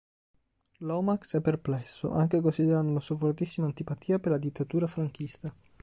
Lomax è perplesso, anche considerando la sua fortissima antipatia per la dittatura franchista.